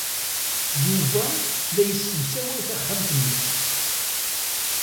Yuba la yessemsaway taxxamt-nnes.